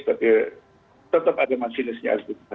tetap ada masinisnya